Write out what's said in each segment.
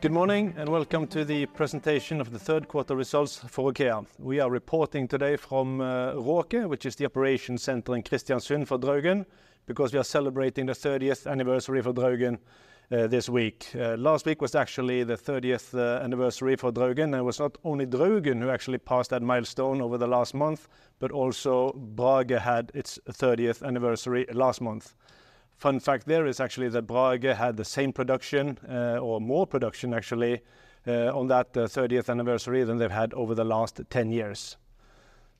Good morning, and welcome to the presentation of the third quarter results for OKEA. We are reporting today from Råket, which is the operation center in Kristiansund for Draugen, because we are celebrating the thirtieth anniversary for Draugen this week. Last week was actually the thirtieth anniversary for Draugen, and it was not only Draugen who actually passed that milestone over the last month, but also Brage had its thirtieth anniversary last month. Fun fact there is actually that Brage had the same production, or more production actually, on that thirtieth anniversary than they've had over the last 10 years.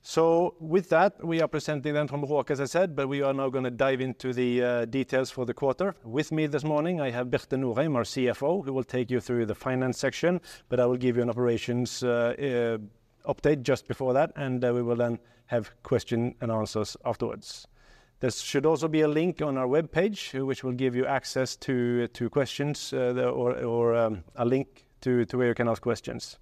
So with that, we are presenting then from Råket, as I said, but we are now gonna dive into the details for the quarter. With me this morning, I have Birte Norheim, our CFO, who will take you through the finance section, but I will give you an operations update just before that, and we will then have question and answers afterwards. There should also be a link on our webpage, which will give you access to questions or a link to where you can ask questions.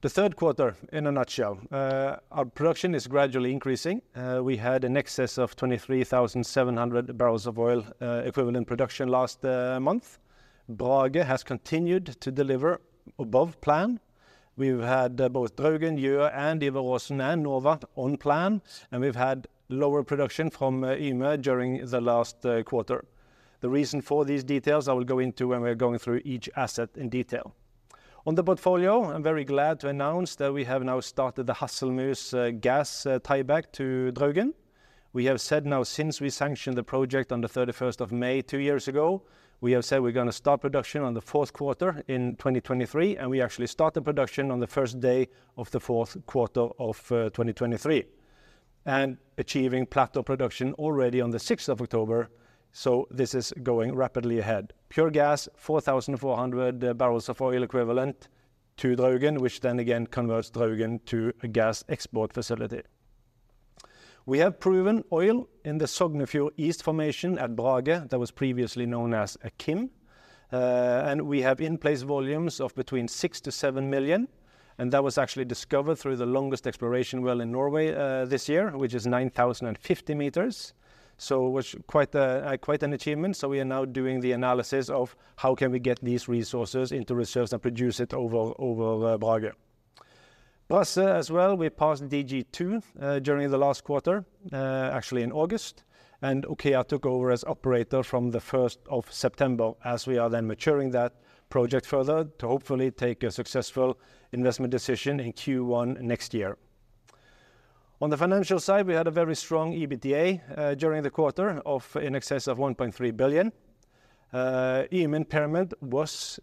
The third quarter in a nutshell. Our production is gradually increasing. We had an excess of 23,700 barrels of oil equivalent production last month. Brage has continued to deliver above plan. We've had both Draugen, Gjøa, and Ivar Aasen, and Nova on plan, and we've had lower production from Yme during the last quarter. The reason for these details, I will go into when we are going through each asset in detail. On the portfolio, I'm very glad to announce that we have now started the Hasselmus gas tieback to Draugen. We have said now since we sanctioned the project on the 31st of May, two years ago, we have said we're gonna start production on the fourth quarter in 2023, and we actually started production on the first day of the fourth quarter of 2023, and achieving plateau production already on the 6th of October, so this is going rapidly ahead. Pure gas, 4,400 barrels of oil equivalent to Draugen, which then again converts Draugen to a gas export facility. We have proven oil in the Sognefjord East formation at Brage, that was previously known as Askja. And we have in-place volumes of between 6-7 million, and that was actually discovered through the longest exploration well in Norway this year, which is 9,050 meters. So it was quite a quite an achievement, so we are now doing the analysis of how can we get these resources into reserves and produce it over Brage. Plus, as well, we passed DG2 during the last quarter actually in August, and OKEA took over as operator from the first of September, as we are then maturing that project further to hopefully take a successful investment decision in Q1 next year. On the financial side, we had a very strong EBITDA during the quarter of in excess of 1.3 billion. Impairment was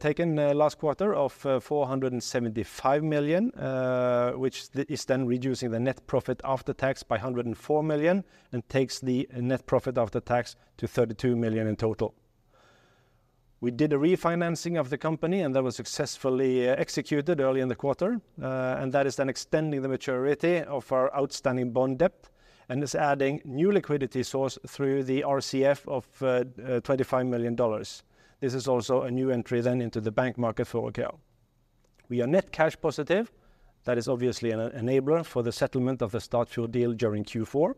taken last quarter of 475 million, which is then reducing the net profit after tax by 104 million and takes the net profit after tax to 32 million in total. We did a refinancing of the company, and that was successfully executed early in the quarter. That is then extending the maturity of our outstanding bond debt and is adding new liquidity source through the RCF of $25 million. This is also a new entry then into the bank market for OKEA. We are net cash positive. That is obviously an enabler for the settlement of the Statfjord deal during Q4.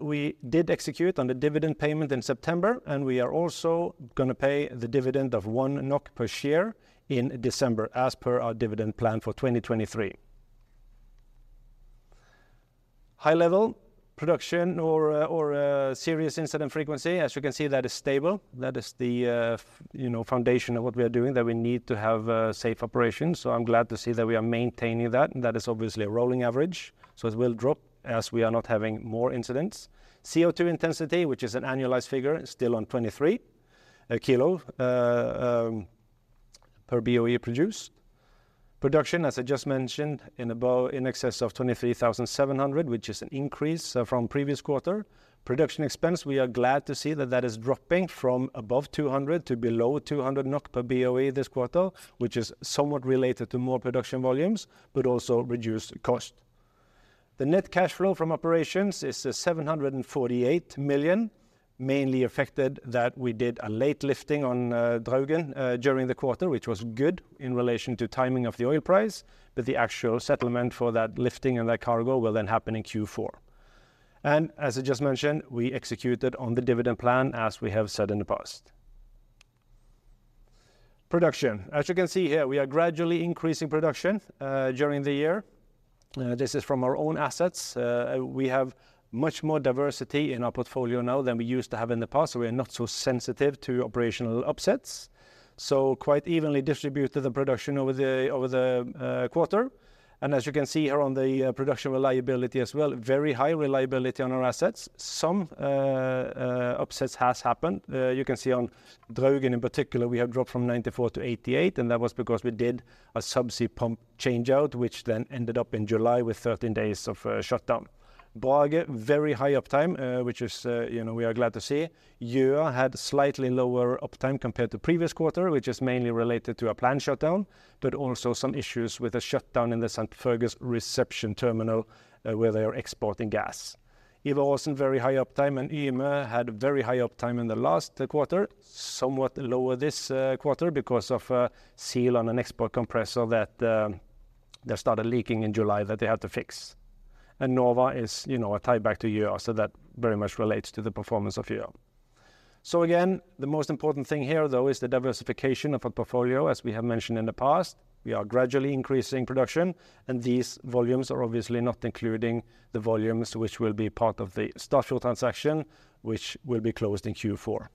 We did execute on the dividend payment in September, and we are also gonna pay the dividend of 1 NOK per share in December, as per our dividend plan for 2023. High-level production, serious incident frequency, as you can see, that is stable. That is the, you know, foundation of what we are doing, that we need to have safe operations, so I'm glad to see that we are maintaining that, and that is obviously a rolling average, so it will drop as we are not having more incidents. CO2 intensity, which is an annualized figure, still on 23 kg per BOE produced. Production, as I just mentioned, in above, in excess of 23,700, which is an increase from previous quarter. Production expense, we are glad to see that that is dropping from above 200 to below 200 NOK per BOE this quarter, which is somewhat related to more production volumes, but also reduced cost. The net cash flow from operations is 748 million, mainly affected that we did a late lifting on Draugen during the quarter, which was good in relation to timing of the oil price, but the actual settlement for that lifting and that cargo will then happen in Q4. As I just mentioned, we executed on the dividend plan as we have said in the past. Production. As you can see here, we are gradually increasing production during the year. This is from our own assets. We have much more diversity in our portfolio now than we used to have in the past, so we are not so sensitive to operational upsets. So quite evenly distributed the production over the quarter. And as you can see here on the production reliability as well, very high reliability on our assets. Some upsets has happened. You can see on Draugen in particular, we have dropped from 94 to 88, and that was because we did a subsea pump changeout, which then ended up in July with 13 days of shutdown. Brage, very high uptime, which is, you know, we are glad to see. Gjøa had slightly lower uptime compared to previous quarter, which is mainly related to a planned shutdown, but also some issues with a shutdown in the St. St. Fergus reception terminal, where they are exporting gas. Ivar Aasen, very high uptime, and Yme had very high uptime in the last quarter, somewhat lower this quarter because of a seal on an export compressor that that started leaking in July that they had to fix.... and Nova is, you know, a tieback to Gjøa, so that very much relates to the performance of Gjøa. So again, the most important thing here, though, is the diversification of our portfolio as we have mentioned in the past. We are gradually increasing production, and these volumes are obviously not including the volumes which will be part of the Statfjord transaction, which will be closed in Q4.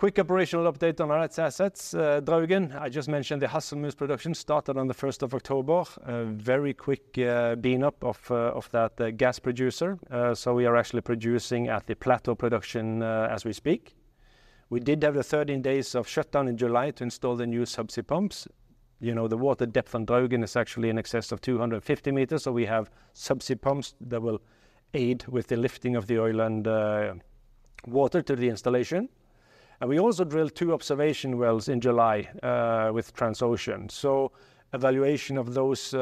Quick operational update on our assets. Draugen, I just mentioned the Hasselmus production started on the 1st of October. A very quick bean up of that gas producer. So we are actually producing at the plateau production as we speak. We did have the 13 days of shutdown in July to install the new subsea pumps. You know, the water depth on Draugen is actually in excess of 250 meters, so we have subsea pumps that will aid with the lifting of the oil and water to the installation. And we also drilled 2 observation wells in July with Transocean. So evaluation of those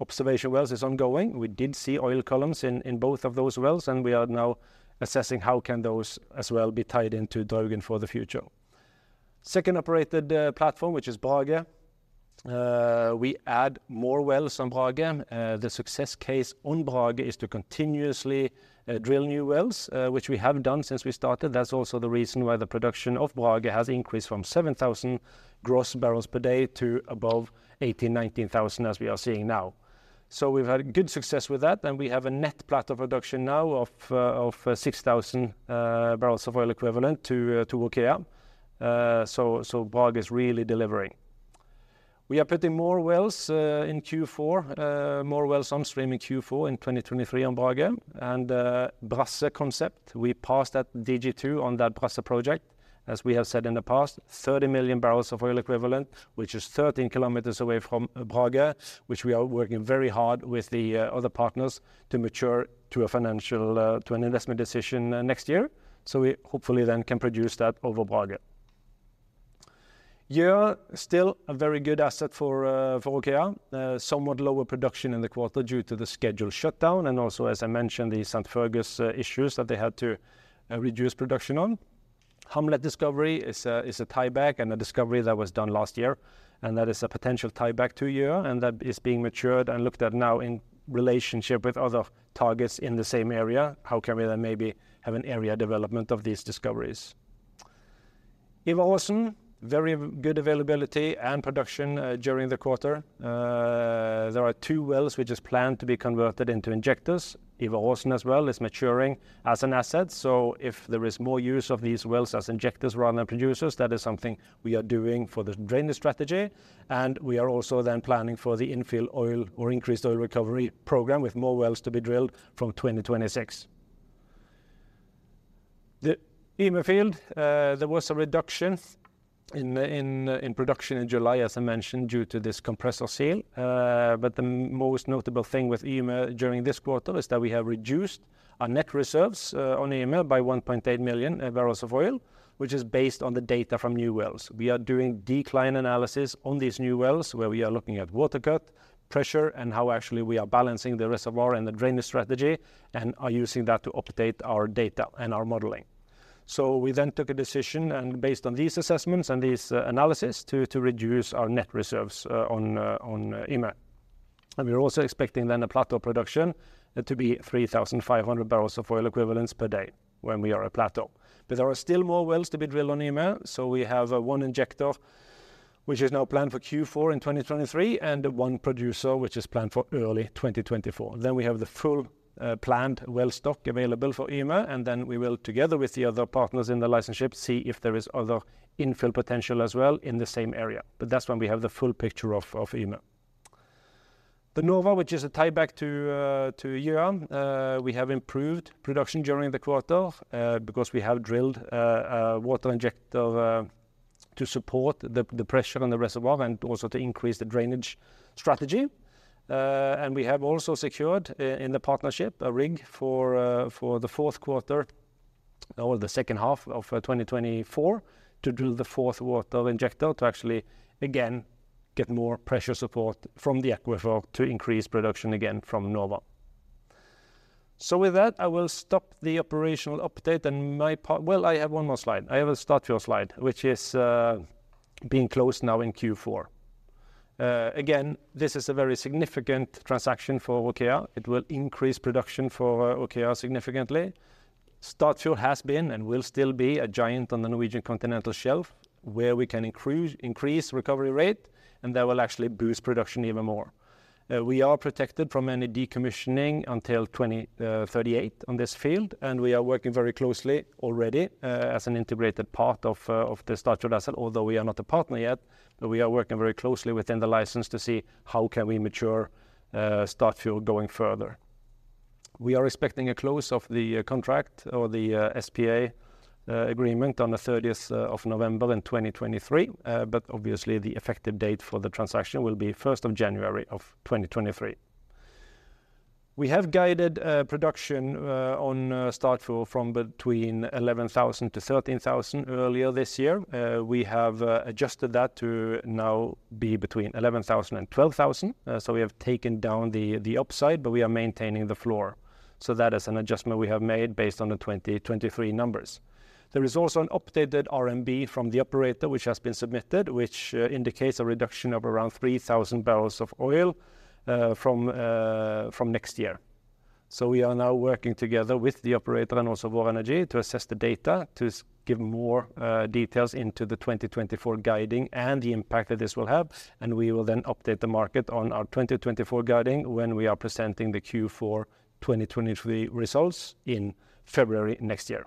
observation wells is ongoing. We did see oil columns in both of those wells, and we are now assessing how those as well can be tied into Draugen for the future. Second operated platform, which is Brage, we add more wells on Brage. The success case on Brage is to continuously drill new wells, which we have done since we started. That's also the reason why the production of Brage has increased from 7,000 gross barrels per day to above 18,000-19,000, as we are seeing now. So we've had good success with that, and we have a net plateau production now of 6,000 barrels of oil equivalent to OKEA. So Brage is really delivering. We are putting more wells in Q4, more wells on stream in Q4 2023 on Brage. Brasse, we passed that DG2 on that Brage project. As we have said in the past, 30 million barrels of oil equivalent, which is 13 kilometers away from Brage, which we are working very hard with the other partners to mature to a financial to an investment decision next year. So we hopefully then can produce that over Brage. You are still a very good asset for for OKEA. Somewhat lower production in the quarter due to the scheduled shutdown, and also, as I mentioned, the St. Fergus issues that they had to reduce production on. Hamlet discovery is a tieback and a discovery that was done last year, and that is a potential tieback to Gjøa, and that is being matured and looked at now in relationship with other targets in the same area. How can we then maybe have an area development of these discoveries? Ivar Aasen, very good availability and production during the quarter. There are two wells which is planned to be converted into injectors. Ivar Aasen as well is maturing as an asset, so if there is more use of these wells as injectors rather than producers, that is something we are doing for the drainage strategy. And we are also then planning for the infill oil or increased oil recovery program, with more wells to be drilled from 2026. The Yme field, there was a reduction in the production in July, as I mentioned, due to this compressor seal. But the most notable thing with Yme during this quarter is that we have reduced our net reserves on Yme by 1.8 million barrels of oil, which is based on the data from new wells. We are doing decline analysis on these new wells, where we are looking at water cut, pressure, and how actually we are balancing the reservoir and the drainage strategy, and are using that to update our data and our modeling. So we then took a decision and based on these assessments and these, analysis to reduce our net reserves, on Yme. And we are also expecting then a plateau production to be 3,500 barrels of oil equivalents per day when we are at plateau. But there are still more wells to be drilled on Yme, so we have one injector, which is now planned for Q4 in 2023, and one producer, which is planned for early 2024. Then we have the full, planned well stock available for Yme, and then we will, together with the other partners in the license, see if there is other infill potential as well in the same area. But that's when we have the full picture of, of Yme. The Nova, which is a tieback to, to Gjøa. We have improved production during the quarter, because we have drilled, a water injector, to support the, the pressure on the reservoir and also to increase the drainage strategy. And we have also secured in the partnership, a rig for, for the fourth quarter or the second half of 2024, to drill the fourth water injector to actually again get more pressure support from the aquifer to increase production again from Nova. So with that, I will stop the operational update and my part... Well, I have one more slide. I have a Statfjord slide, which is being closed now in Q4. Again, this is a very significant transaction for OKEA. It will increase production for OKEA significantly. Statfjord has been and will still be a giant on the Norwegian continental shelf, where we can increase, increase recovery rate, and that will actually boost production even more. We are protected from any decommissioning until 2038 on this field, and we are working very closely already, as an integrated part of, of the Statfjord asset. Although we are not a partner yet, but we are working very closely within the license to see how can we mature, Statfjord going further. We are expecting a close of the contract or the SPA agreement on the thirtieth of November in 2023. But obviously, the effective date for the transaction will be first of January 2023. We have guided production on Statfjord from between 11,000 to 13,000 earlier this year. We have adjusted that to now be between 11,000 and 12,000. So we have taken down the upside, but we are maintaining the floor. So that is an adjustment we have made based on the 2023 numbers. There is also an updated RNB from the operator, which has been submitted, which indicates a reduction of around 3,000 barrels of oil from next year. So we are now working together with the operator and also Vår Energi to assess the data to give more details into the 2024 guiding and the impact that this will have. And we will then update the market on our 2024 guiding when we are presenting the Q4 2023 results in February next year.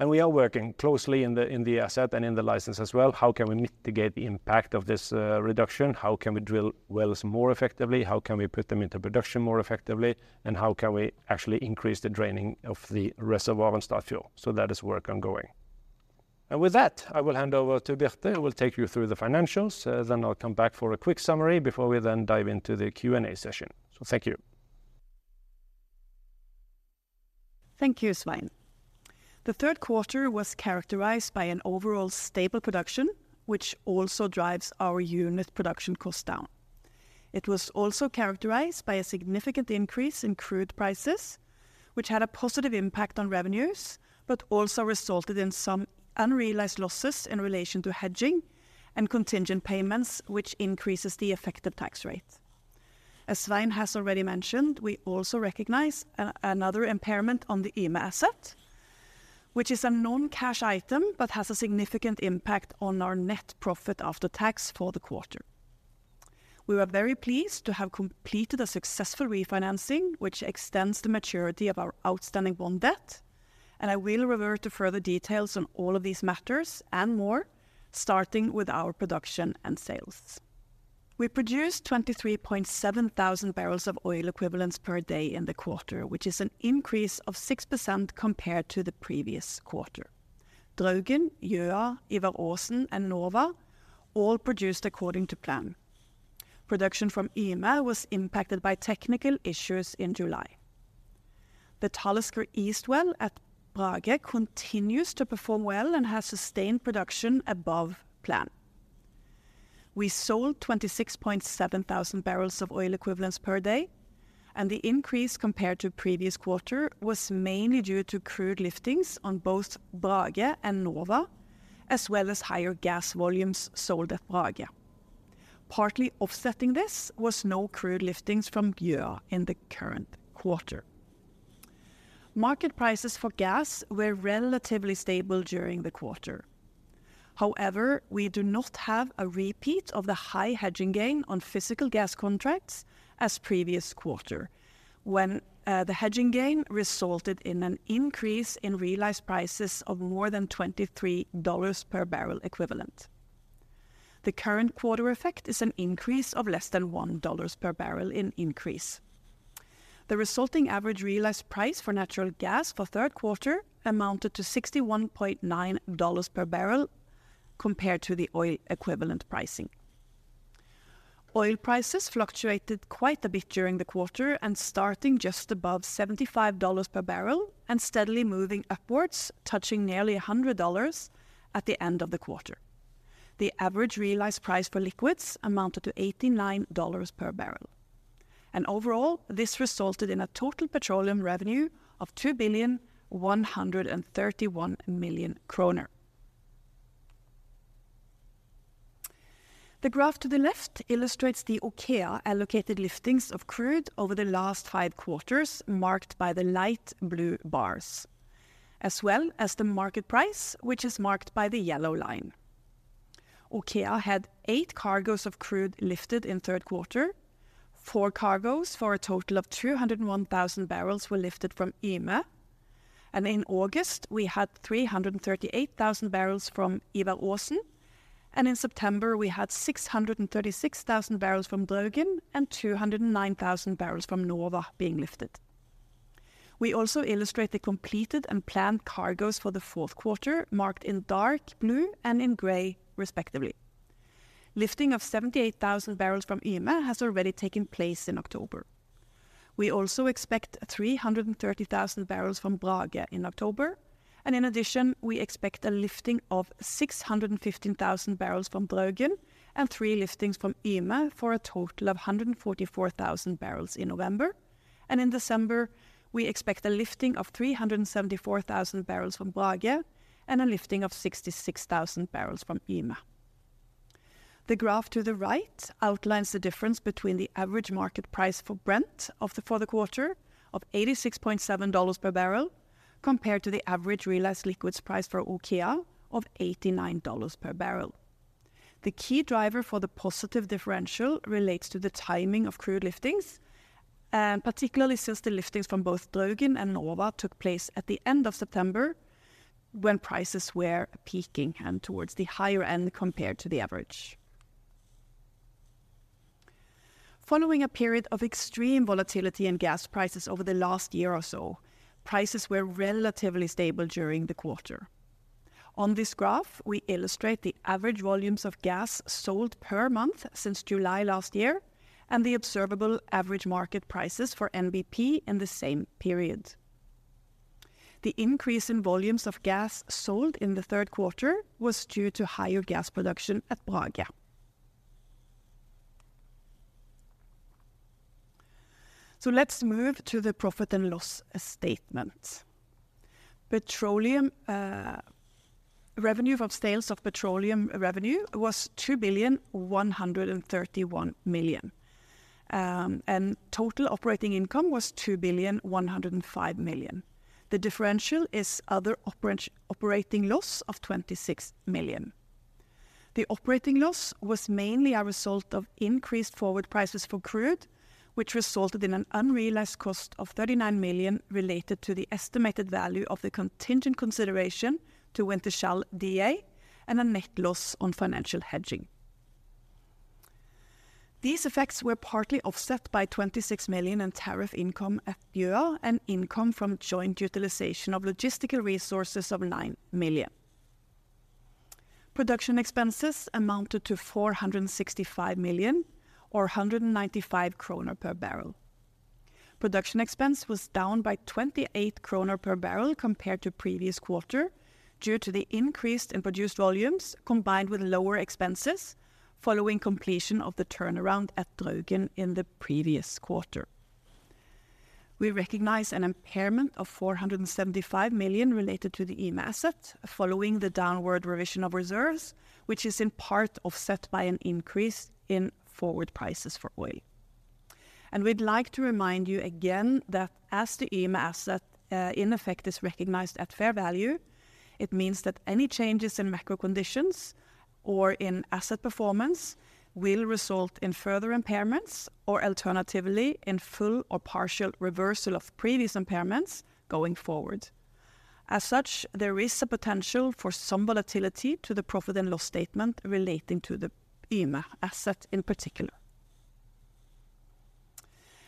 And we are working closely in the asset and in the license as well. How can we mitigate the impact of this reduction? How can we drill wells more effectively? How can we put them into production more effectively? And how can we actually increase the draining of the reservoir and start flow? So that is work ongoing. And with that, I will hand over to Birte, who will take you through the financials. I'll come back for a quick summary before we then dive into the Q&A session. Thank you. Thank you, Svein. The third quarter was characterized by an overall stable production, which also drives our unit production cost down. It was also characterized by a significant increase in crude prices, which had a positive impact on revenues, but also resulted in some unrealized losses in relation to hedging and contingent payments, which increases the effective tax rate. As Svein has already mentioned, we also recognize another impairment on the Yme asset, which is a non-cash item, but has a significant impact on our net profit after tax for the quarter. We were very pleased to have completed a successful refinancing, which extends the maturity of our outstanding bond debt, and I will revert to further details on all of these matters and more, starting with our production and sales. We produced 23.7 thousand barrels of oil equivalents per day in the quarter, which is an increase of 6% compared to the previous quarter. Draugen, Gjøa, Ivar Aasen, and Nova all produced according to plan. Production from Yme was impacted by technical issues in July. The Talisker East well at Brage continues to perform well and has sustained production above plan. We sold 26.7 thousand barrels of oil equivalents per day, and the increase compared to previous quarter was mainly due to crude liftings on both Brage and Nova, as well as higher gas volumes sold at Brage. Partly offsetting this was no crude liftings from Gjøa in the current quarter. Market prices for gas were relatively stable during the quarter. However, we do not have a repeat of the high hedging gain on physical gas contracts as previous quarter, when the hedging gain resulted in an increase in realized prices of more than $23 per barrel equivalent. The current quarter effect is an increase of less than one dollars per barrel in increase. The resulting average realized price for natural gas for third quarter amounted to $61.9 per barrel compared to the oil equivalent pricing. Oil prices fluctuated quite a bit during the quarter, and starting just above $75 per barrel and steadily moving upwards, touching nearly $100 at the end of the quarter. The average realized price for liquids amounted to $89 per barrel, and overall, this resulted in a total petroleum revenue of 2,131 million kroner. The graph to the left illustrates the Aker allocated liftings of crude over the last 5 quarters, marked by the light blue bars, as well as the market price, which is marked by the yellow line. Aker had 8 cargoes of crude lifted in third quarter. Four cargoes for a total of 201,000 barrels were lifted from Yme, and in August, we had 338,000 barrels from Ivar Aasen, and in September, we had 636,000 barrels from Draugen and 209,000 barrels from Nova being lifted. We also illustrate the completed and planned cargoes for the fourth quarter, marked in dark blue and in gray, respectively. Lifting of 78,000 barrels from Yme has already taken place in October. We also expect 330,000 barrels from Brage in October, and in addition, we expect a lifting of 615,000 barrels from Draugen and three liftings from Yme for a total of 144,000 barrels in November. In December, we expect a lifting of 374,000 barrels from Brage and a lifting of 66,000 barrels from Yme. The graph to the right outlines the difference between the average market price for Brent for the quarter of $86.7 per barrel, compared to the average realized liquids price for OKEA of $89 per barrel. The key driver for the positive differential relates to the timing of crude liftings, and particularly since the liftings from both Draugen and Nova took place at the end of September, when prices were peaking and towards the higher end, compared to the average. Following a period of extreme volatility in gas prices over the last year or so, prices were relatively stable during the quarter. On this graph, we illustrate the average volumes of gas sold per month since July last year and the observable average market prices for NBP in the same period. The increase in volumes of gas sold in the third quarter was due to higher gas production at Brage. So let's move to the profit and loss statement.... Petroleum revenue from sales of petroleum revenue was 2,131 million, and total operating income was 2,105 million. The differential is other operating loss of 26 million. The operating loss was mainly a result of increased forward prices for crude, which resulted in an unrealized cost of 39 million related to the estimated value of the contingent consideration to Wintershall Dea, and a net loss on financial hedging. These effects were partly offset by 26 million in tariff income at Gjøa, and income from joint utilization of logistical resources of 9 million. Production expenses amounted to 465 million, or 195 kroner per barrel. Production expense was down by 28 kroner per barrel compared to previous quarter, due to the increase in produced volumes, combined with lower expenses following completion of the turnaround at Draugen in the previous quarter. We recognize an impairment of 475 million related to the Yme asset, following the downward revision of reserves, which is in part offset by an increase in forward prices for oil. And we'd like to remind you again that as the Yme asset, in effect, is recognized at fair value, it means that any changes in macro conditions or in asset performance will result in further impairments, or alternatively, in full or partial reversal of previous impairments going forward. As such, there is a potential for some volatility to the profit and loss statement relating to the Yme asset in particular.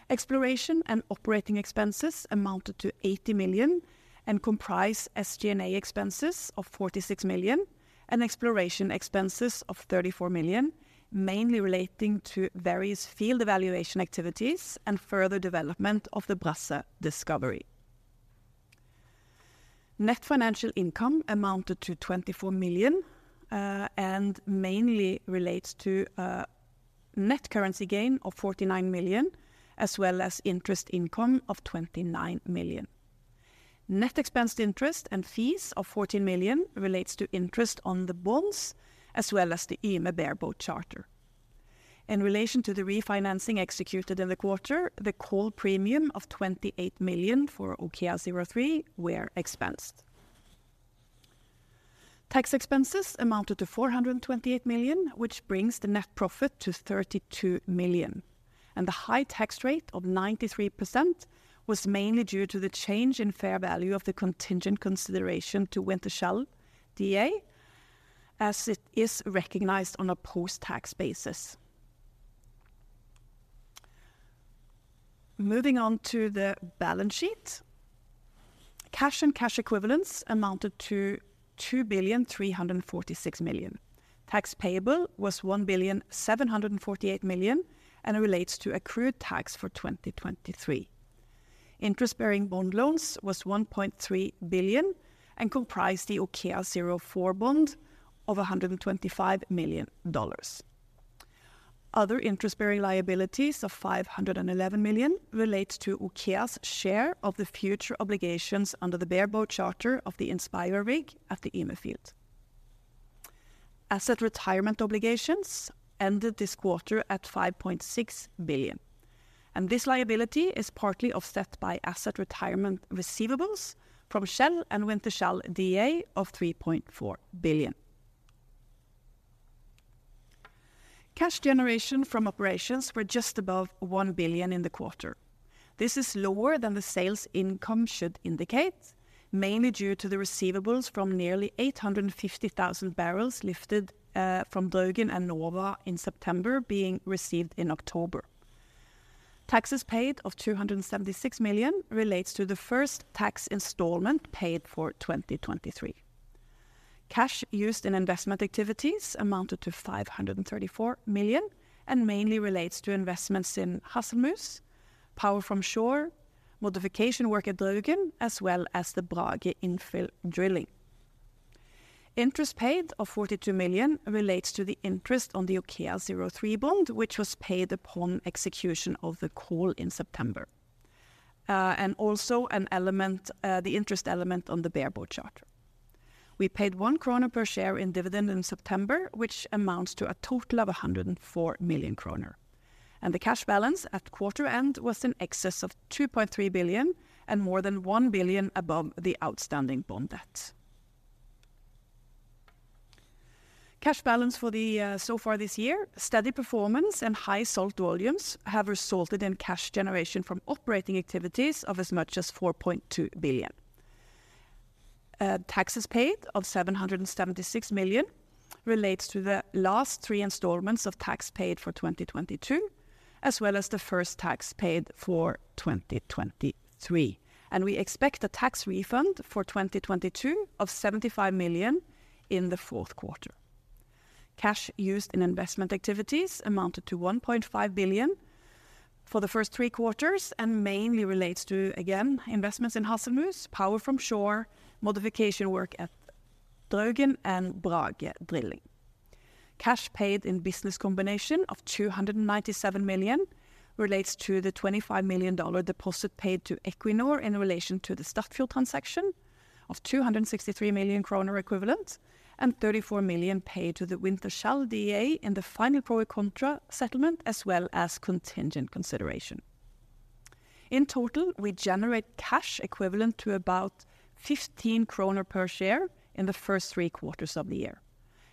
Exploration and operating expenses amounted to 80 million, and comprise SG&A expenses of 46 million, and exploration expenses of 34 million, mainly relating to various field evaluation activities and further development of the Brasse discovery. Net financial income amounted to 24 million, and mainly relates to a net currency gain of 49 million, as well as interest income of 29 million. Net interest expense and fees of 14 million relates to interest on the bonds, as well as the Yme bareboat charter. In relation to the refinancing executed in the quarter, the call premium of 28 million for OKEA-03 were expensed. Tax expenses amounted to 428 million, which brings the net profit to 32 million, and the high tax rate of 93% was mainly due to the change in fair value of the contingent consideration to Wintershall Dea, as it is recognized on a post-tax basis. Moving on to the balance sheet. Cash and cash equivalents amounted to 2.346 billion. Tax payable was 1.748 billion, and it relates to accrued tax for 2023. Interest-bearing bond loans was 1.3 billion, and comprised the OKEA-04 bond of $125 million. Other interest-bearing liabilities of 511 million relates to OKEA's share of the future obligations under the bareboat charter of the Inspirer rig at the Yme field. Asset retirement obligations ended this quarter at 5.6 billion, and this liability is partly offset by asset retirement receivables from Shell and Wintershall Dea of 3.4 billion. Cash generation from operations were just above 1 billion in the quarter. This is lower than the sales income should indicate, mainly due to the receivables from nearly 850,000 barrels lifted, from Draugen and Nova in September, being received in October. Taxes paid of 276 million relates to the first tax installment paid for 2023. Cash used in investment activities amounted to 534 million, and mainly relates to investments in Hasselmus, power from shore, modification work at Draugen, as well as the Brage infill drilling. Interest paid of 42 million relates to the interest on the OKEA-03 bond, which was paid upon execution of the call in September, and also an element, the interest element on the bareboat charter. We paid 1 kroner per share in dividend in September, which amounts to a total of 104 million kroner, and the cash balance at quarter end was in excess of 2.3 billion, and more than 1 billion NOK above the outstanding bond debt. Cash balance for the so far this year, steady performance and high sold volumes have resulted in cash generation from operating activities of as much as 4.2 billion. Taxes paid of 776 million relates to the last three installments of tax paid for 2022, as well as the first tax paid for 2023, and we expect a tax refund for 2022 of 75 million in the fourth quarter. Cash used in investment activities amounted to 1.5 billion for the first three quarters, and mainly relates to, again, investments in Hasselmus, power from shore, modification work at Draugen, and Brage drilling. Cash paid in business combination of 297 million relates to the $25 million deposit paid to Equinor in relation to the Statfjord transaction of 263 million kroner equivalent, and 34 million paid to the Wintershall Dea in the final pro rata contra settlement, as well as contingent consideration. In total, we generate cash equivalent to about 15 kroner per share in the first three quarters of the year,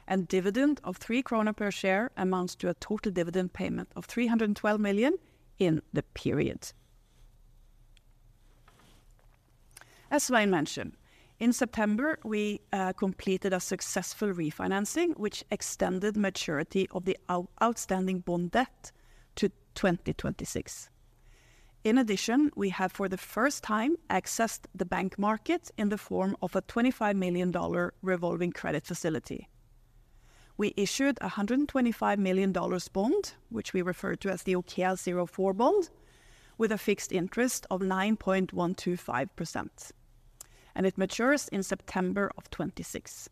and dividend of 3 kroner per share amounts to a total dividend payment of 312 million NOK in the period. As Svein mentioned, in September, we completed a successful refinancing, which extended maturity of the outstanding bond debt to 2026. In addition, we have, for the first time, accessed the bank market in the form of a $25 million revolving credit facility. We issued a $125 million bond, which we refer to as the OKEA 04 bond, with a fixed interest of 9.125%, and it matures in September of 2026.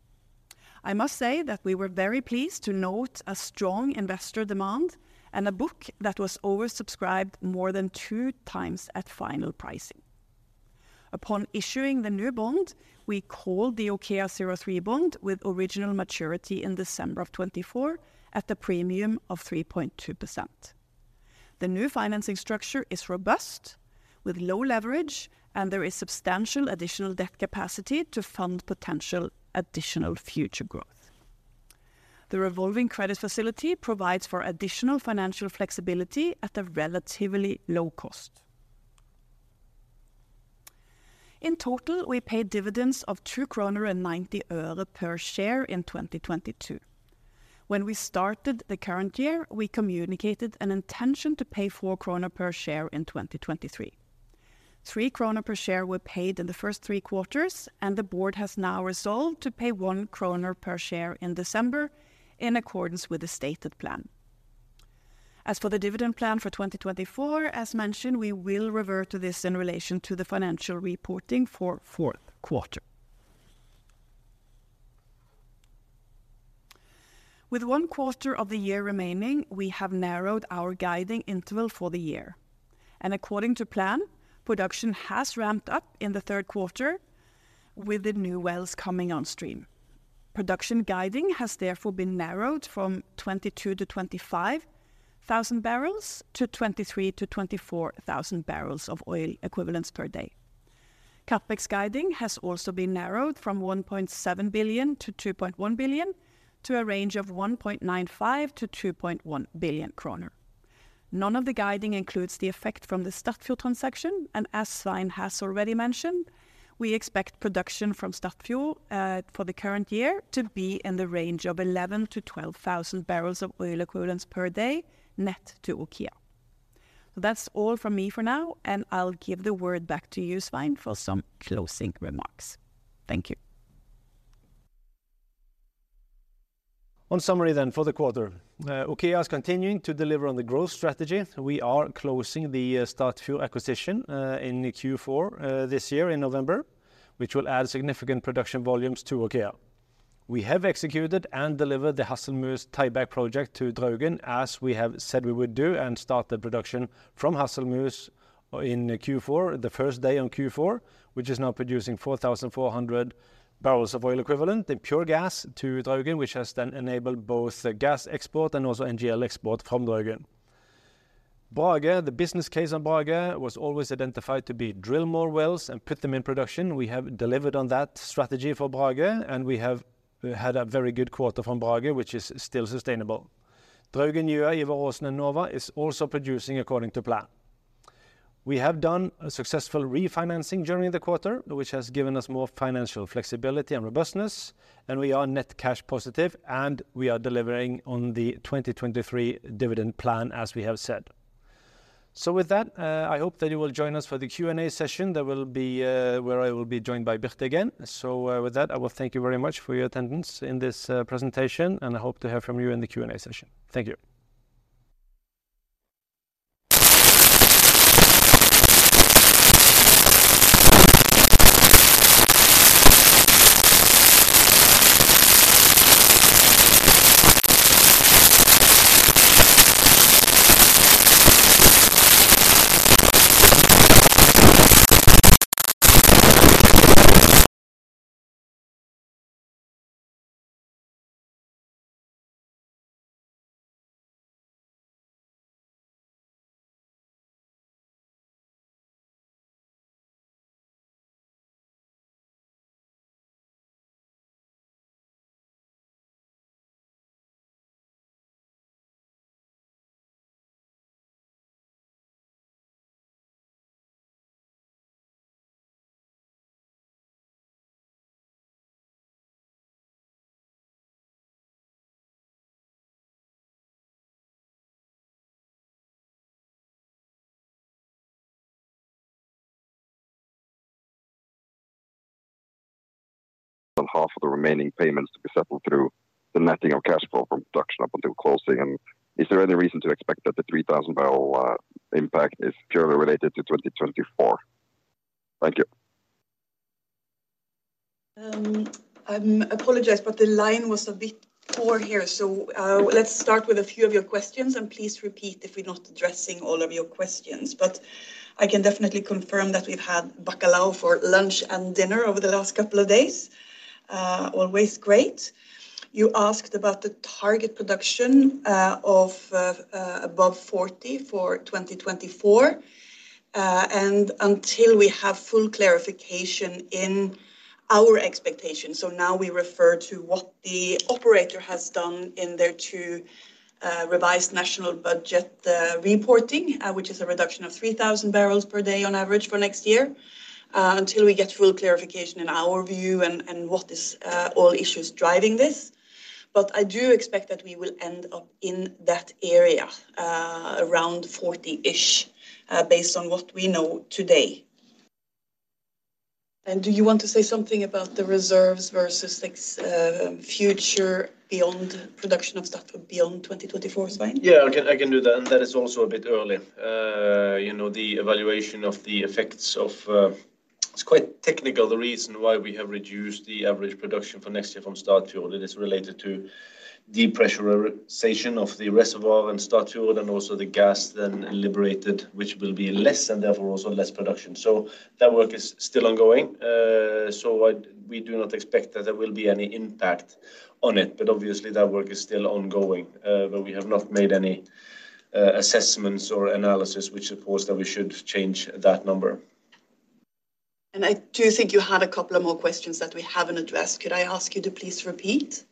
I must say that we were very pleased to note a strong investor demand and a book that was oversubscribed more than two times at final pricing. Upon issuing the new bond, we called the OKEA 03 bond with original maturity in December of 2024 at a premium of 3.2%. The new financing structure is robust, with low leverage, and there is substantial additional debt capacity to fund potential additional future growth. The revolving credit facility provides for additional financial flexibility at a relatively low cost. In total, we paid dividends of NOK 2.90 per share in 2022. When we started the current year, we communicated an intention to pay 4 kroner per share in 2023. 3 kroner per share were paid in the first three quarters, and the board has now resolved to pay 1 kroner per share in December, in accordance with the stated plan. As for the dividend plan for 2024, as mentioned, we will revert to this in relation to the financial reporting for fourth quarter. With one quarter of the year remaining, we have narrowed our guiding interval for the year, and according to plan, production has ramped up in the third quarter, with the new wells coming on stream. Production guiding has therefore been narrowed from 22,000-25,000 barrels to 23,000-24,000 barrels of oil equivalents per day. CapEx guiding has also been narrowed from 1.7 billion-2.1 billion, to a range of 1.95 billion-2.1 billion kroner. None of the guidance includes the effect from the Statfjord transaction, and as Svein has already mentioned, we expect production from Statfjord for the current year to be in the range of 11-12,000 barrels of oil equivalents per day, net to OKEA. So that's all from me for now, and I'll give the word back to you, Svein, for some closing remarks. Thank you. In summary then, for the quarter, OKEA is continuing to deliver on the growth strategy. We are closing the Statfjord acquisition in Q4 this year in November, which will add significant production volumes to OKEA. We have executed and delivered the Hasselmus tieback project to Draugen, as we have said we would do, and start the production from Hasselmus in Q4, the first day of Q4, which is now producing 4,400 barrels of oil equivalent in pure gas to Draugen, which has then enabled both the gas export and also NGL export from Draugen. Brage, the business case on Brage, was always identified to be drill more wells and put them in production. We have delivered on that strategy for Brage, and we have had a very good quarter from Brage, which is still sustainable. Draugen, Ivar Aasen, and Nova is also producing according to plan. We have done a successful refinancing during the quarter, which has given us more financial flexibility and robustness, and we are net cash positive, and we are delivering on the 2023 dividend plan, as we have said. So with that, I hope that you will join us for the Q&A session that will be, where I will be joined by Birte again. So, with that, I will thank you very much for your attendance in this, presentation, and I hope to hear from you in the Q&A session. Thank you. ... And half of the remaining payments to be settled through the netting of cash flow from production up until closing. And is there any reason to expect that the 3,000 barrel impact is purely related to 2024? Thank you.... I apologize, but the line was a bit poor here. So, let's start with a few of your questions, and please repeat if we're not addressing all of your questions. But I can definitely confirm that we've had bacalao for lunch and dinner over the last couple of days. Always great. You asked about the target production of above 40 for 2024, and until we have full clarification in our expectations. So now we refer to what the operator has done in their 2 Revised National Budget reporting, which is a reduction of 3,000 barrels per day on average for next year, until we get full clarification in our view and and what is all issues driving this. But I do expect that we will end up in that area, around 40-ish, based on what we know today. And do you want to say something about the reserves versus, like, future beyond production of stuff beyond 2024 slide? Yeah, I can, I can do that, and that is also a bit early. You know, the evaluation of the effects of... It's quite technical, the reason why we have reduced the average production for next year from Statfjord, it is related to depressurization of the reservoir and Statfjord, and also the gas then liberated, which will be less and therefore, also less production. So that work is still ongoing, so we do not expect that there will be any impact on it, but obviously that work is still ongoing, but we have not made any assessments or analysis which supports that we should change that number. I do think you had a couple of more questions that we haven't addressed. Could I ask you to please repeat?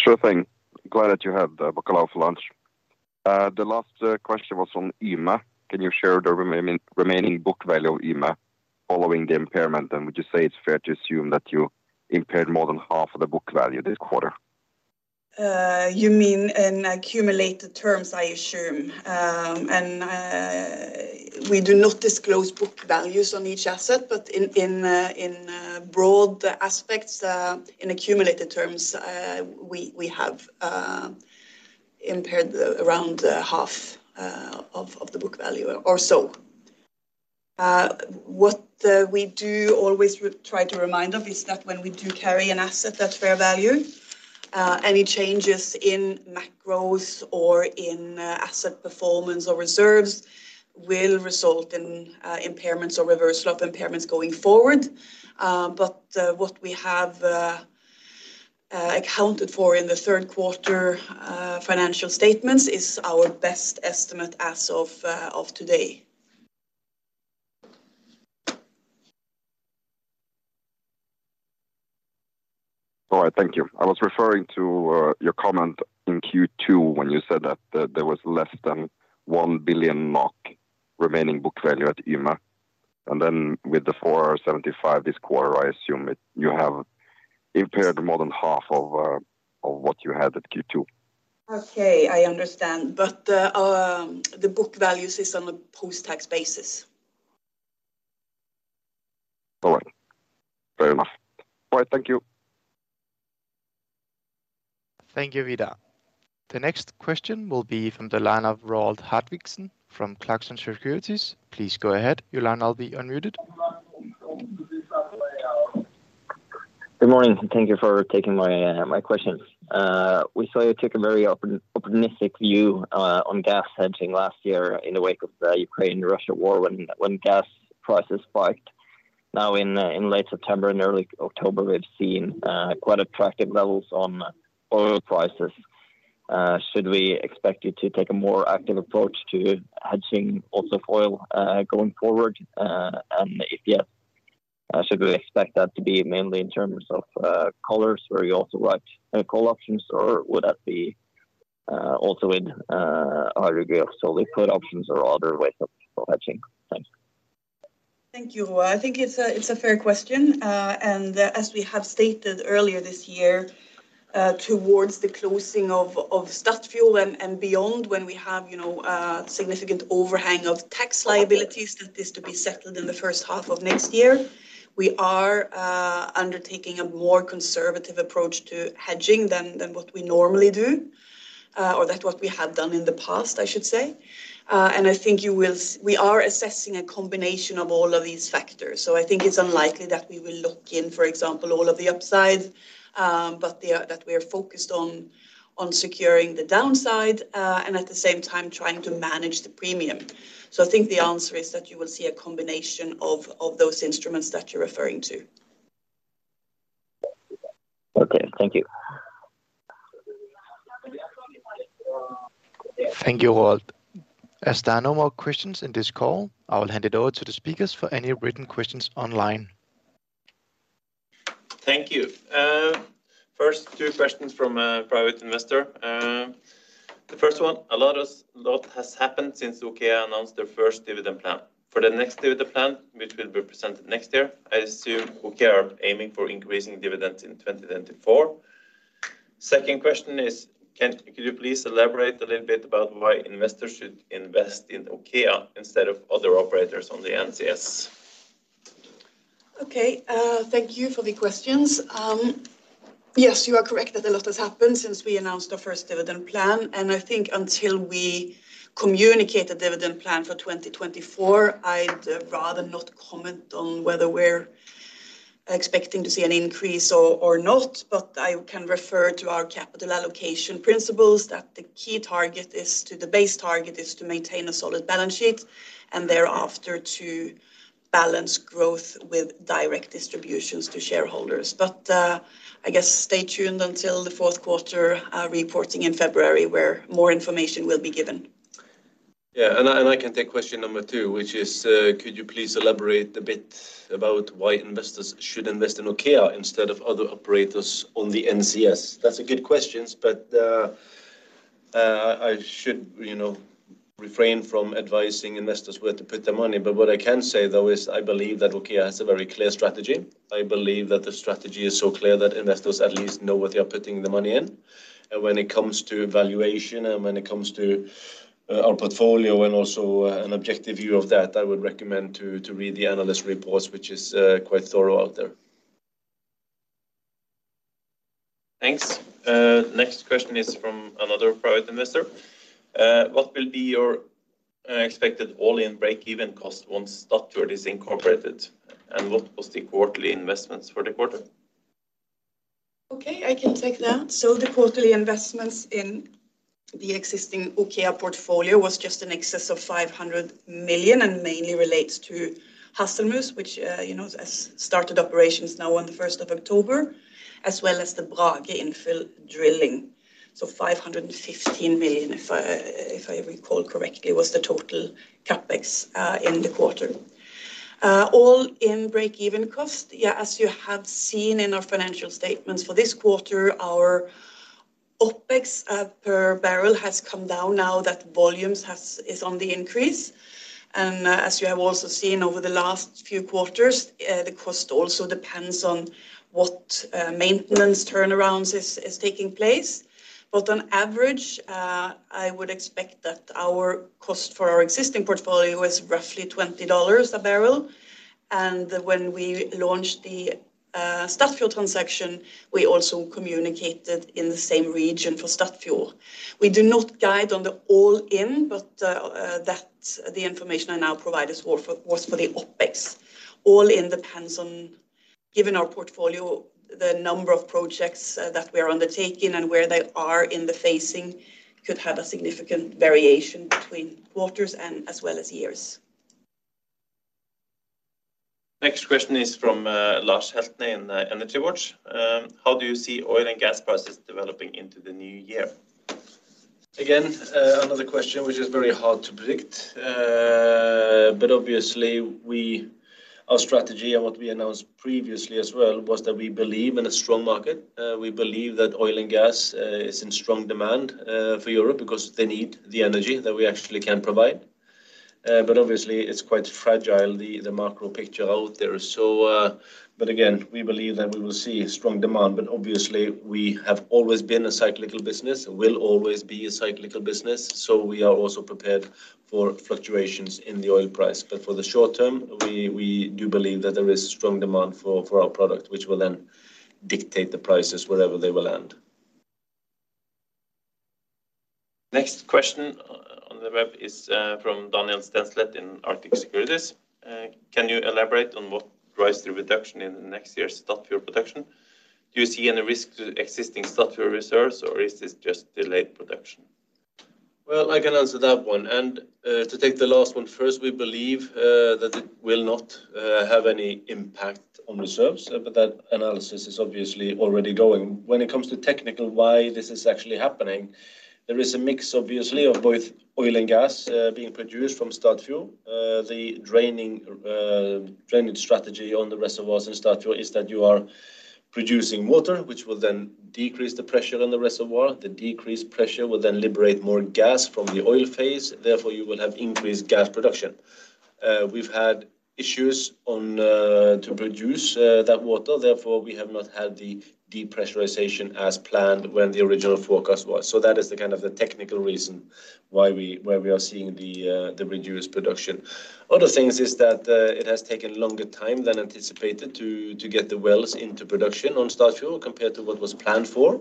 Sure thing. Glad that you had the bacalao for lunch. The last question was on Yme. Can you share the remaining book value of Yme following the impairment? And would you say it's fair to assume that you impaired more than half of the book value this quarter? You mean in accumulated terms, I assume. We do not disclose book values on each asset, but in broad aspects, in accumulated terms, we have impaired around half of the book value or so. What we do always try to remind of is that when we do carry an asset, that fair value, any changes in macros or in asset performance or reserves will result in impairments or reversal of impairments going forward. But what we have accounted for in the third quarter financial statements is our best estimate as of today. All right. Thank you. I was referring to your comment in Q2 when you said that there was less than 1 billion NOK remaining book value at Yme, and then with the 475 million NOK this quarter, I assume it you have impaired more than half of what you had at Q2. Okay, I understand, but, the book values is on a post-tax basis. All right. Fair enough. All right. Thank you. Thank you, Vidar. The next question will be from the line of Roald Hartviksen from Clarkson Securities. Please go ahead. Your line is now unmuted. Good morning, and thank you for taking my questions. We saw you took a very open-optimistic view on gas hedging last year in the wake of the Ukraine-Russia war, when gas prices spiked. Now, in late September and early October, we've seen quite attractive levels on oil prices. Should we expect you to take a more active approach to hedging also oil going forward? And if yes, should we expect that to be mainly in terms of colors, where you also write call options, or would that be also in a degree of solid put options or other ways of hedging? Thanks. Thank you. I think it's a, it's a fair question. And as we have stated earlier this year, towards the closing of Statfjord and beyond, when we have, you know, significant overhang of tax liabilities that is to be settled in the first half of next year, we are undertaking a more conservative approach to hedging than what we normally do, or that what we have done in the past, I should say. And I think you will - we are assessing a combination of all of these factors, so I think it's unlikely that we will look in, for example, all of the upsides, but that we are focused on securing the downside, and at the same time trying to manage the premium. I think the answer is that you will see a combination of those instruments that you're referring to. Okay. Thank you. Thank you, Roald. As there are no more questions in this call, I will hand it over to the speakers for any written questions online. Thank you. First, two questions from a private investor. The first one, a lot has happened since OKEA announced their first dividend plan. For the next dividend plan, which will be presented next year, I assume OKEA are aiming for increasing dividends in 2024. Second question is, could you please elaborate a little bit about why investors should invest in OKEA instead of other operators on the NCS? Okay, thank you for the questions. Yes, you are correct that a lot has happened since we announced our first dividend plan, and I think until we communicate the dividend plan for 2024, I'd rather not comment on whether we're expecting to see an increase or not. But I can refer to our capital allocation principles, that the key target is to the base target is to maintain a solid balance sheet, and thereafter, to balance growth with direct distributions to shareholders. But, I guess stay tuned until the fourth quarter reporting in February, where more information will be given. Yeah, I can take question number two, which is, could you please elaborate a bit about why investors should invest in OKEA instead of other operators on the NCS? That's a good questions, but I should, you know, refrain from advising investors where to put their money. But what I can say, though, is I believe that OKEA has a very clear strategy. I believe that the strategy is so clear that investors at least know what they are putting the money in. And when it comes to valuation and when it comes to our portfolio and also an objective view of that, I would recommend to read the analyst reports, which is quite thorough out there. Thanks. Next question is from another private investor. What will be your expected all-in break-even cost once Statfjord is incorporated, and what was the quarterly investments for the quarter? Okay, I can take that. So the quarterly investments in the existing OKEA portfolio was just in excess of 500 million, and mainly relates to Hasselmus, which, you know, has started operations now on the first of October, as well as the Brage infill drilling. So 515 million, if I, if I recall correctly, was the total CapEx in the quarter. All-in break-even cost, yeah, as you have seen in our financial statements for this quarter, our OpEx per barrel has come down now that volumes is on the increase. And as you have also seen over the last few quarters, the cost also depends on what maintenance turnarounds is taking place. But on average, I would expect that our cost for our existing portfolio is roughly $20 a barrel. When we launched the Statfjord transaction, we also communicated in the same region for Statfjord. We do not guide on the all-in, but the information I now provide is for, was for the OpEx. All-in depends on, given our portfolio, the number of projects that we are undertaking and where they are in the phasing, could have a significant variation between quarters and as well as years. Next question is from Lars Heltne in EnergiWatch. How do you see oil and gas prices developing into the new year? Again, another question which is very hard to predict. But obviously, our strategy and what we announced previously as well was that we believe in a strong market. We believe that oil and gas is in strong demand for Europe because they need the energy that we actually can provide. But obviously, it's quite fragile, the macro picture out there. So, but again, we believe that we will see strong demand, but obviously, we have always been a cyclical business and will always be a cyclical business, so we are also prepared for fluctuations in the oil price. But for the short term, we do believe that there is strong demand for our product, which will then dictate the prices wherever they will land. Next question, on the web is, from Daniel Stenslet in Arctic Securities. Can you elaborate on what drives the reduction in next year's Statfjord production? Do you see any risk to existing Statfjord reserves, or is this just delayed production? Well, I can answer that one. And, to take the last one first, we believe, that it will not, have any impact on reserves, but that analysis is obviously already going. When it comes to technical, why this is actually happening, there is a mix, obviously, of both oil and gas, being produced from Statfjord. The draining, drainage strategy on the reservoirs in Statfjord is that you are producing water, which will then decrease the pressure on the reservoir. The decreased pressure will then liberate more gas from the oil phase, therefore, you will have increased gas production. We've had issues on, to produce, that water, therefore, we have not had the depressurization as planned when the original forecast was. So that is the kind of the technical reason why we are seeing the reduced production. Other things is that, it has taken longer time than anticipated to get the wells into production on Statfjord, compared to what was planned for.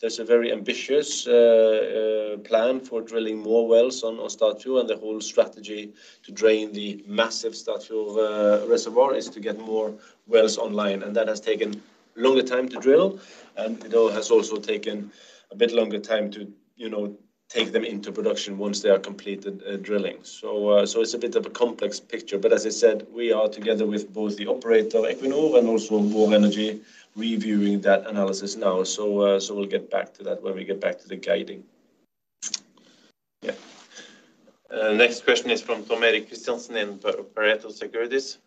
There's a very ambitious plan for drilling more wells on Statfjord, and the whole strategy to drain the massive Statfjord reservoir is to get more wells online, and that has taken longer time to drill. And it all has also taken a bit longer time to, you know, take them into production once they are completed drilling. So, so it's a bit of a complex picture, but as I said, we are together with both the operator, Equinor, and also Vår Energi, reviewing that analysis now. So, so we'll get back to that when we get back to the guiding. Yeah. Next question is from Tom Erik Kristiansen in Pareto Securities.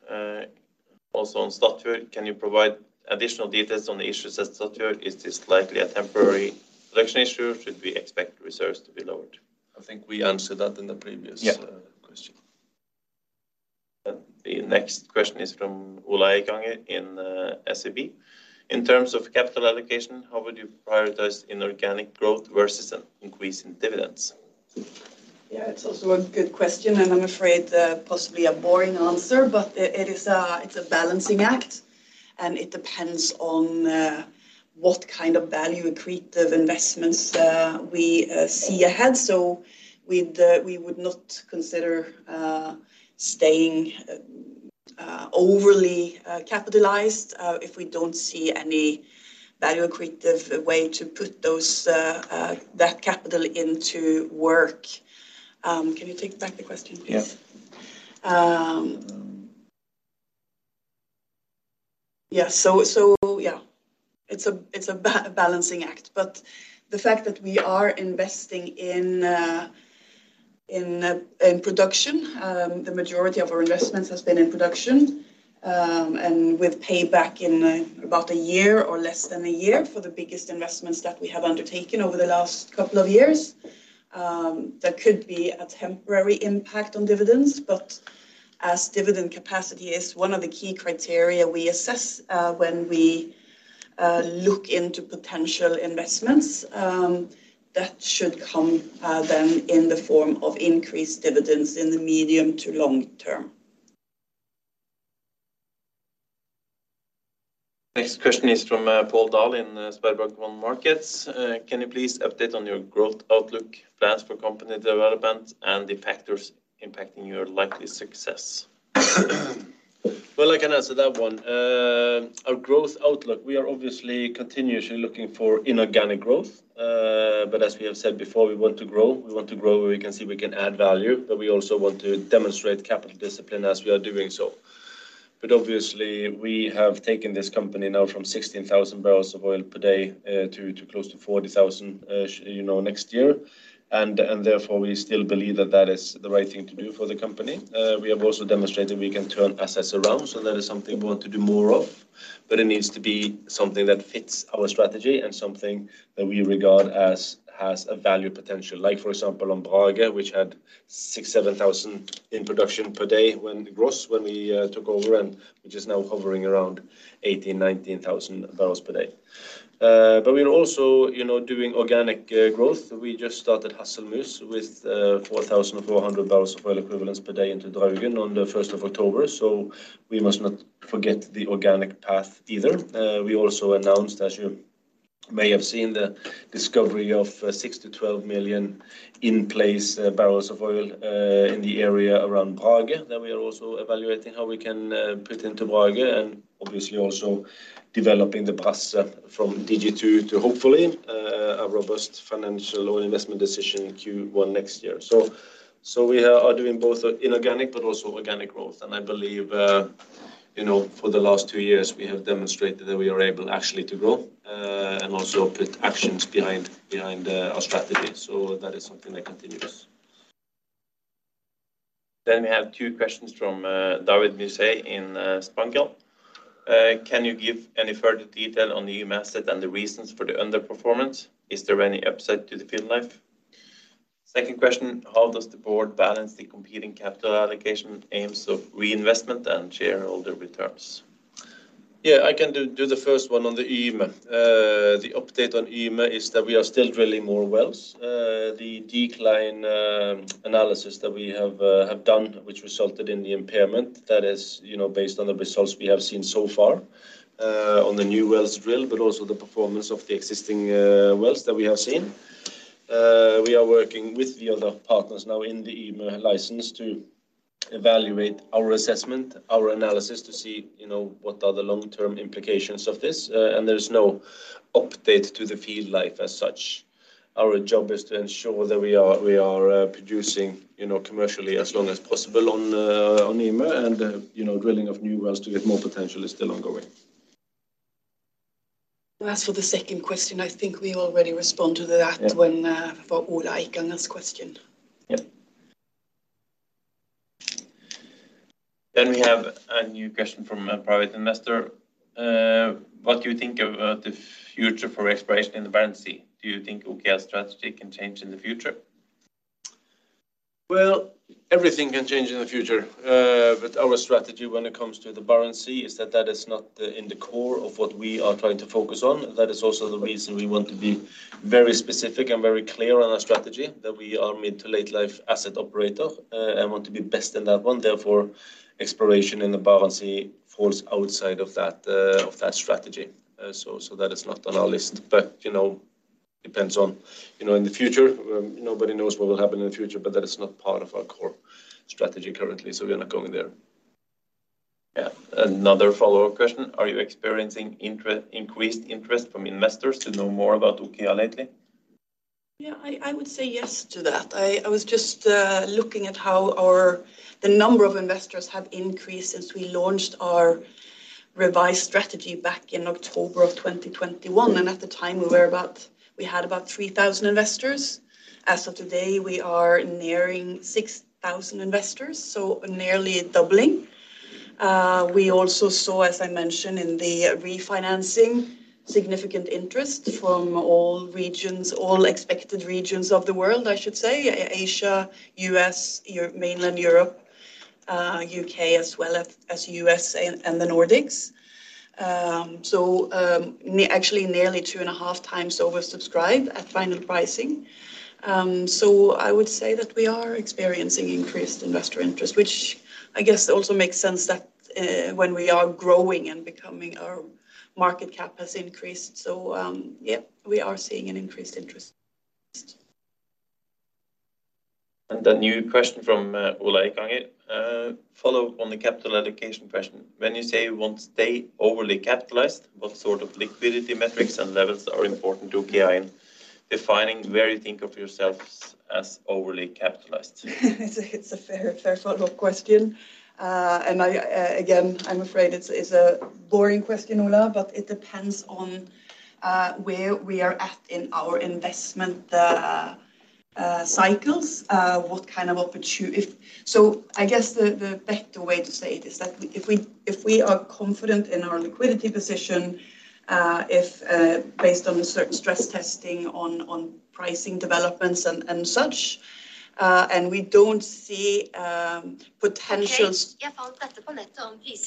Also on Statfjord, can you provide additional details on the issues at Statfjord? Is this likely a temporary production issue, or should we expect reserves to be lowered? I think we answered that in the previous- Yeah... question. The next question is from Ola Eikanger in SEB. In terms of capital allocation, how would you prioritize inorganic growth versus an increase in dividends?... Yeah, it's also a good question, and I'm afraid, possibly a boring answer, but it, it is a, it's a balancing act, and it depends on, what kind of value accretive investments, we, see ahead. So we'd, we would not consider, staying, overly, capitalized, if we don't see any value accretive way to put those, that capital into work. Can you take back the question, please? Yeah. Yeah, so it's a balancing act, but the fact that we are investing in production, the majority of our investments has been in production. And with payback in about a year or less than a year for the biggest investments that we have undertaken over the last couple of years. That could be a temporary impact on dividends, but as dividend capacity is one of the key criteria we assess when we look into potential investments, that should come then in the form of increased dividends in the medium to long term. Next question is from Paul Dallin, SpareBank 1 Markets. "Can you please update on your growth outlook plans for company development and the factors impacting your likely success? Well, I can answer that one. Our growth outlook, we are obviously continuously looking for inorganic growth. But as we have said before, we want to grow. We want to grow where we can see we can add value, but we also want to demonstrate capital discipline as we are doing so. But obviously, we have taken this company now from 16,000 barrels of oil per day to close to 40,000, you know, next year. And therefore, we still believe that that is the right thing to do for the company. We have also demonstrated we can turn assets around, so that is something we want to do more of, but it needs to be something that fits our strategy and something that we regard as has a value potential. Like, for example, on Brage, which had 6-7,000 in production per day when we took over, and which is now hovering around 18-19,000 barrels per day. But we're also, you know, doing organic growth. We just started Hasselmus with 4,400 barrels of oil equivalents per day into Draugen on the first of October, so we must not forget the organic path either. We also announced, as you may have seen, the discovery of 6-12 million in place barrels of oil in the area around Brage. Then we are also evaluating how we can put into Brage and obviously also developing the Brasse from DG 2 to hopefully a robust financial or investment decision in Q1 next year. So we are doing both inorganic but also organic growth, and I believe, you know, for the last two years, we have demonstrated that we are able actually to grow, and also put actions behind our strategy. So that is something that continues. Then we have two questions from David Mirzai in SP Angel. "Can you give any further detail on the new asset and the reasons for the underperformance? Is there any upset to the field life?" Second question: "How does the board balance the competing capital allocation aims of reinvestment and shareholder returns? Yeah, I can do the first one on the Yme. The update on Yme is that we are still drilling more wells. The decline analysis that we have done, which resulted in the impairment, that is, you know, based on the results we have seen so far on the new wells drill, but also the performance of the existing wells that we have seen. We are working with the other partners now in the Yme license to evaluate our assessment, our analysis, to see, you know, what are the long-term implications of this. And there's no update to the field life as such. Our job is to ensure that we are producing, you know, commercially as long as possible on Yme, and you know, drilling of new wells to get more potential is still ongoing. As for the second question, I think we already responded to that- Yeah -when, for Ola Eikanger's question. Yeah. Then we have a new question from a private investor. What do you think of the future for exploration in the Barents Sea? Do you think OKEA's strategy can change in the future? Well, everything can change in the future. But our strategy when it comes to the Barents Sea is that that is not the in the core of what we are trying to focus on. That is also the reason we want to be very specific and very clear on our strategy, that we are mid to late life asset operator and want to be best in that one. Therefore, exploration in the Barents Sea falls outside of that strategy. So that is not on our list. But you know, depends on you know, in the future, nobody knows what will happen in the future, but that is not part of our core strategy currently, so we are not going there. Yeah. Another follow-up question: Are you experiencing increased interest from investors to know more about OKEA lately? Yeah, I would say yes to that. I was just looking at how our, the number of investors have increased since we launched our revised strategy back in October of 2021, and at the time, we were about- we had about 3,000 investors. As of today, we are nearing 6,000 investors, so nearly doubling. We also saw, as I mentioned, in the refinancing-... significant interest from all regions, all expected regions of the world, I should say. Asia, U.S., Europe, mainland Europe, U.K., as well as, as U.S. and, and the Nordics. So, actually nearly 2.5 times oversubscribed at final pricing. So I would say that we are experiencing increased investor interest, which I guess also makes sense that, when we are growing and becoming our market cap has increased. Yeah, we are seeing an increased interest. And a new question from Ola Eikanger. Follow on the capital allocation question. When you say you won't stay overly capitalized, what sort of liquidity metrics and levels are important to OKEA in defining where you think of yourselves as overly capitalized? It's a fair, fair follow-up question. And again, I'm afraid it's a boring question, Ola, but it depends on where we are at in our investment cycles, what kind of opportu... So I guess the better way to say it is that if we are confident in our liquidity position, if based on the certain stress testing on pricing developments and such, and we don't see potential-...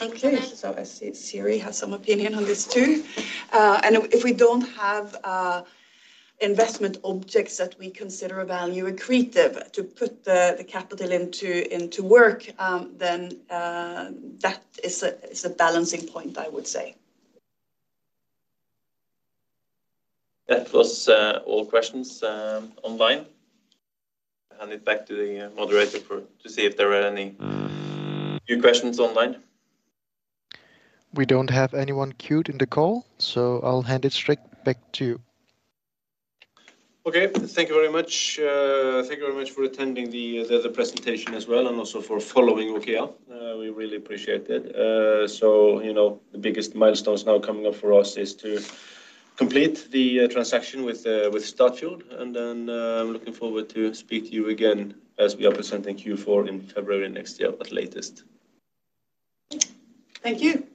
Okay. So I see Siri has some opinion on this, too. And if we don't have investment objects that we consider a value accretive to put the capital into work, then that is a balancing point, I would say. That was all questions online. I hand it back to the moderator to see if there are any new questions online. We don't have anyone queued in the call, so I'll hand it straight back to you. Okay. Thank you very much. Thank you very much for attending the presentation as well, and also for following OKEA. We really appreciate it. So, you know, the biggest milestones now coming up for us is to complete the transaction with Statfjord, and then I'm looking forward to speak to you again as we are presenting Q4 in February next year at latest. Thank you.